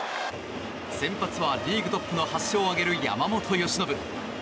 先発はリーグトップの８勝を挙げる山本由伸。